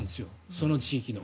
その地域の。